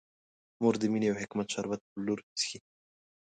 مور د مینې او حکمت شربت په لور څښي.